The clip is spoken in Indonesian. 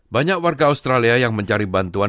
banyak warga australia yang mencari bantuan